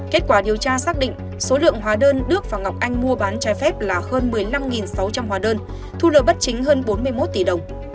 kết quả điều tra xác định số lượng hóa đơn đức và ngọc anh mua bán trái phép là hơn một mươi năm sáu trăm linh hóa đơn thu lợi bất chính hơn bốn mươi một tỷ đồng